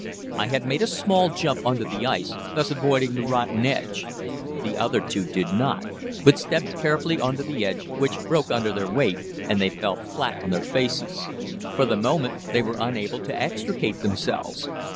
I had made a small jump on to the ice, thus avoiding the rotten edge. The other two did not, but stepped carefully on to the edge, which broke under their weight and they fell flat on their faces. For the moment they were unable to extricate themselves.